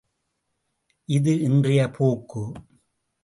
இது இன்றைய போக்கு!